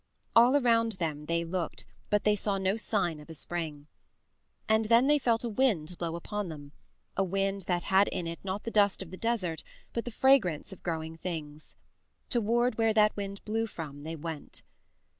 All around them they looked, but they saw no sign of a spring. And then they felt a wind blow upon them a wind that had in it not the dust of the desert but the fragrance of growing things. Toward where that wind blew from they went.